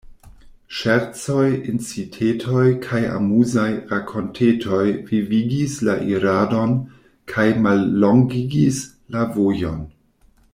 Ŝercoj, incitetoj kaj amuzaj rakontetoj vivigis la iradon kaj mallongigis la vojon.